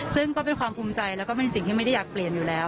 ซึ่งก็เป็นความภูมิใจแล้วก็เป็นสิ่งที่ไม่ได้อยากเปลี่ยนอยู่แล้ว